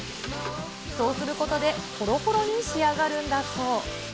そうすることでほろほろに仕上がるんだそう。